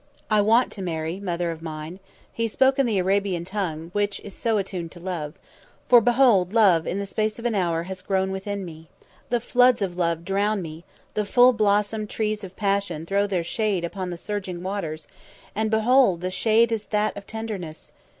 "I want to marry, Mother of mine." He spoke in the Arabian tongue, which, is so atune to love, "for behold love in the space of an hour has grown within me. The floods of love drown me, the full blossomed trees of passion throw their shade upon the surging waters, and, behold, the shade is that of tenderness.